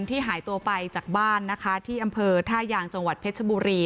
หายตัวไปจากบ้านนะคะที่อำเภอท่ายางจังหวัดเพชรบุรี